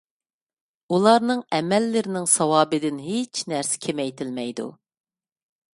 ئۇلارنىڭ ئەمەللىرىنىڭ ساۋابىدىن ھېچ نەرسە كېمەيتىلمەيدۇ.